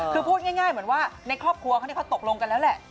คือพูดง่ายแบบในครอบครัวทดลงแล้วแหละ